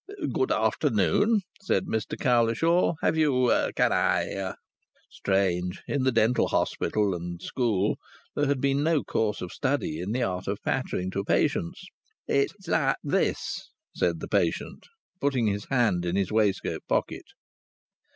"Good afternoon," said Mr Cowlishaw. "Have you ... Can I ..." Strange; in the dental hospital and school there had been no course of study in the art of pattering to patients! "It's like this," said the patient, putting his hand in his waistcoat pocket.